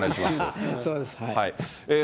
そうです。